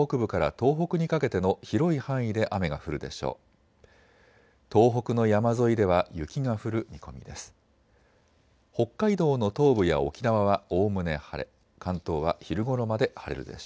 東北の山沿いでは雪が降る見込みです。